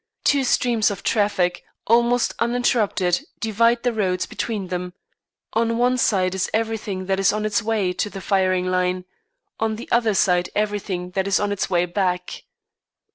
Two streams of traffic, almost uninterrupted, divide the roads between them; on one side is everything that is on its way to the firing line; on the other side everything that is on its way back.